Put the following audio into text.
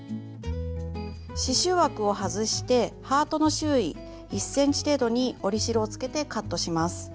刺しゅう枠を外してハートの周囲１ｃｍ程度に折り代をつけてカットします。